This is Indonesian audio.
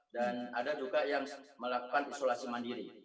dan ada juga yang melakukan isolasi mandiri